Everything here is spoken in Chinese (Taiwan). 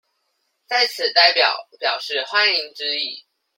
在此代表表示歡迎之意